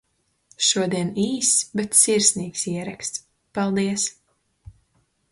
Šodien īss, bet sirsnīgs ieraksts. Paldies!